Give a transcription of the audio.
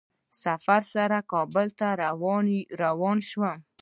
سفیر سره کابل ته روان شوم.